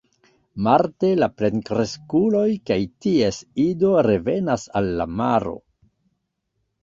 Marte la plenkreskuloj kaj ties ido revenas al la maro.